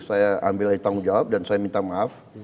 saya ambil dari tanggung jawab dan saya minta maaf